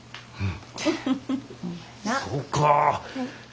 そうか。